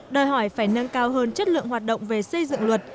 đòi hỏi phải nâng cao hơn chất lượng hoạt động về xây dựng luật